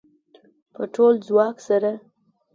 په ټول ځواک سره